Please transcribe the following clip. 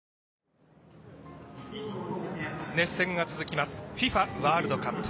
熱戦が続きますＦＩＦＡワールドカップ。